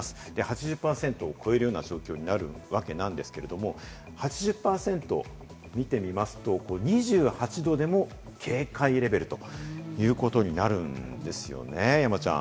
８０％を超えるような状況になるわけですけれども、８０％を見てみますと、２８度でも警戒レベルということになるんですよね、山ちゃん。